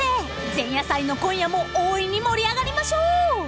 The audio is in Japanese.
［前夜祭の今夜も大いに盛り上がりましょう！］